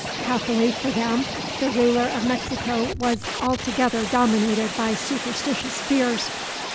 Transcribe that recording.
Happily for them, the ruler of Mexico was altogether dominated by superstitious fears.